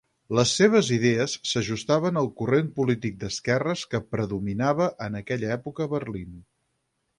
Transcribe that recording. Les seves idees s'ajustaven al corrent polític d'esquerres que predominava en aquella època a Berlín.